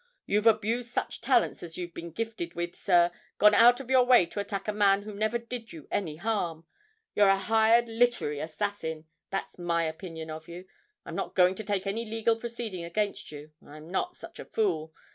You've abused such talents as you've been gifted with, sir; gone out of your way to attack a man who never did you any harm. You're a hired literary assassin that's my opinion of you! I'm not going to take any legal proceeding against you I'm not such a fool.